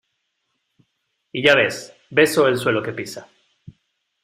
y ya ves, beso el suelo que pisa.